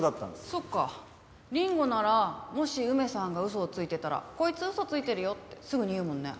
そっか凛吾ならもし梅さんがウソをついてたら「こいつウソついてるよ」ってすぐに言うもんね。